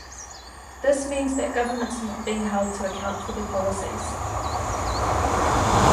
This means that governments are not being held to account for their policies.